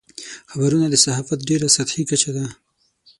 خبرونه د صحافت ډېره سطحي کچه ده.